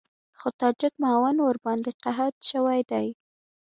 خو تاجک معاون ورباندې قحط شوی دی.